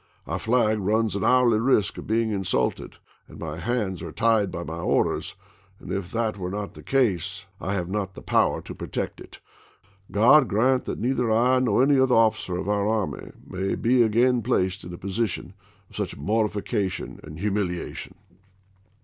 Our flag runs an hourly risk of being insulted, and my hands are tied by my orders, and if that was not the case, I have not the power to protect it. God grant that Anderson neither I nor any other officer of our army may IprifeTsei.' be again placed in a position of such mortification ^l, p". Z^}' and humiliation."